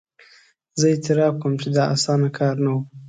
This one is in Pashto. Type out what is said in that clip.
زه اعتراف کوم چې دا اسانه کار نه وو.